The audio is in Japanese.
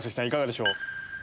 いかがでしょう？